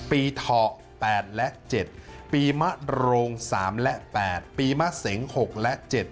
เถาะ๘และ๗ปีมะโรง๓และ๘ปีมะเสง๖และ๗